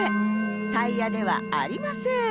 タイヤではありません。